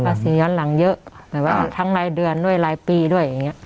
ย้อนหลังเยอะแบบว่าทั้งรายเดือนด้วยรายปีด้วยอย่างเงี้